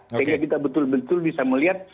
sehingga kita betul betul bisa melihat